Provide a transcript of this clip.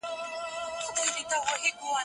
جنازو پكښي اوډلي دي كورونه